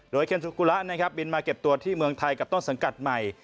เคนสุกุระนะครับบินมาเก็บตัวที่เมืองไทยกับต้นสังกัดใหม่